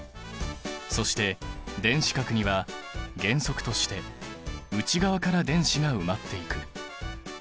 そして電子殻には原則として内側から電子が埋まっていく。